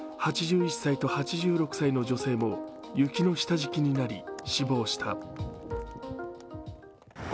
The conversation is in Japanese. ８１歳と８６歳の女性も雪の下敷きになり死亡した。